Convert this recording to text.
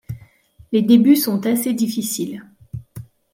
Les débuts sont assez difficiles.